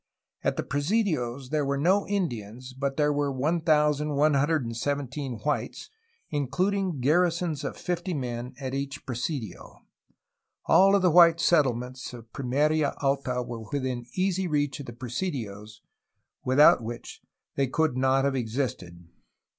At the presidios there were no Indians, but there were 1117 whites, including garrisons of fifty men at each presidio. All the wmte settle ments of Pimeria Alta were within easy reach of the presidios, without which they could not have existed.